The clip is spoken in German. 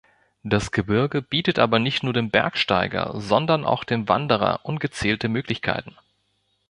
Das Gebirge bietet aber nicht nur dem Bergsteiger, sondern auch dem Wanderer ungezählte Möglichkeiten.